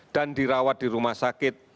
dan dirawat di rumah sakit